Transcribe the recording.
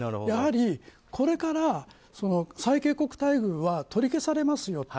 やはり、これから最恵国待遇は取り消されますよ。